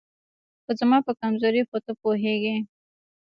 خو زما په کمزورۍ خو ته پوهېږې